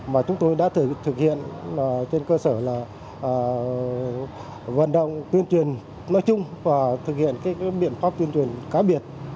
mà chúng tôi đã thực hiện trên cơ sở là vận động tuyên truyền nói chung và thực hiện các biện pháp tuyên truyền cá biệt